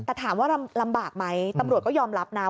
แต่ถามว่าลำบากไหมตำรวจก็ยอมรับนะ